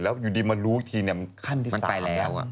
มันขั้นที่๓แล้วมันไปแล้ว